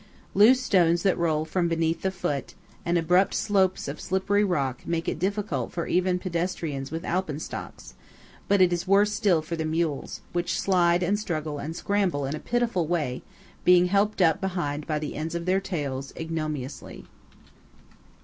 Loose stones that roll from beneath the foot, and abrupt slopes of slippery rock, make it difficult for even pedestrians with alpenstocks; but it is worse still for the mules, which slide, and struggle, and scramble in a pitiful way, being helped up behind by the ends of their tails, ignominiously.